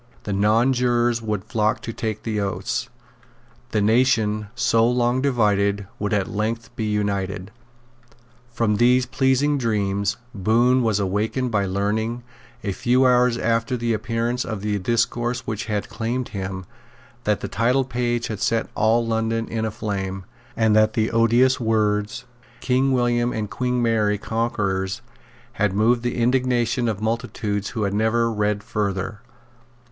The nonjurors would flock to take the oaths. The nation, so long divided, would at length be united. From these pleasing dreams Bohun was awakened by learning, a few hours after the appearance of the discourse which had charmed him, that the titlepage had set all London in a flame, and that the odious words, King William and Queen Mary Conquerors, had moved the indignation of multitudes who had never read further.